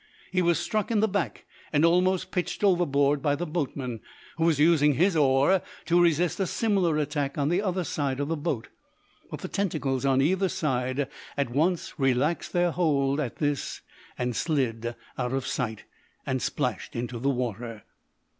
He was struck in the back and almost pitched overboard by the boatman, who was using his oar to resist a similar attack on the other side of the boat. But the tentacles on either side at once relaxed their hold at this, slid out of sight, and splashed into the water.